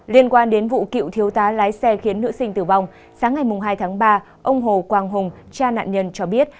liên quan đến vụ cựu thiếu tá lái xe khiến nữ sinh tử vong sáng ngày hai tháng ba ông hồ quang hùng cha nạn nhân cho biết